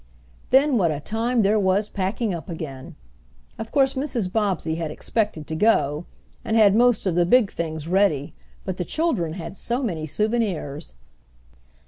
Then what a time there was packing up again! Of course Mrs. Bobbsey had expected to go, and had most of the big things ready but the children had so many souvenirs.